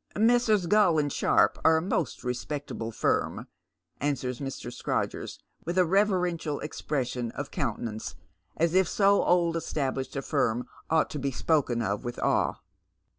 " Messrs. Gull and Sharpe are a most respectable firm," answers Mr. Scrodgers, with a reverential expression of coun tenance, as if 80 old established a firm ought to be spoken of >vith awe.